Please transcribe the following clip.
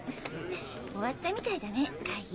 終わったみたいだね会議。